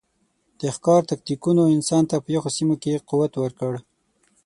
د ښکار تکتیکونو انسان ته په یخو سیمو کې قوت ورکړ.